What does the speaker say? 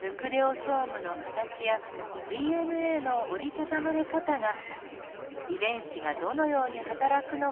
ヌクレオソームの形やＤＮＡの折りたたまれ方が遺伝子がどのように働くのかを知る手がかりとなるそうです。